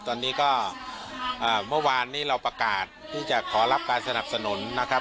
ตอนนี้ก็เมื่อวานนี้เราประกาศที่จะขอรับการสนับสนุนนะครับ